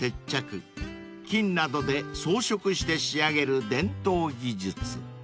［金などで装飾して仕上げる伝統技術］